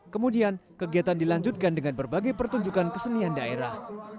kemudian kegiatan dilanjutkan dengan berbagai pertunjukan kesenian daerah